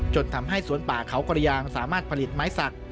จนทำให้สวนป่าเขากระยางสามารถผลิตไม้สัก